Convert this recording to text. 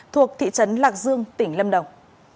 thuộc thị trấn lạc dương tỉnh lâm đồng